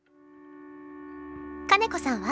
「兼子さんは？